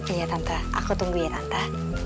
iya tante aku tunggu ya tante